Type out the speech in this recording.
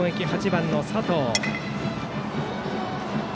８番、佐藤。